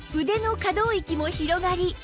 腕の可動域も広がり